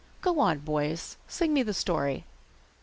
Go on, boys, sing me the story.